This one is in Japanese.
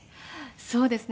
そうですね。